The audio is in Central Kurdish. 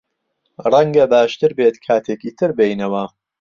ڕەنگە باشتر بێت کاتێکی تر بێینەوە.